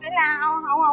mẹ cũng khóc luôn